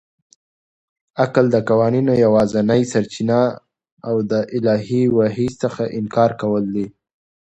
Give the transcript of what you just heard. عقل د قوانینو یوازنۍ سرچینه او د الهي وحي څخه انکار کول دي.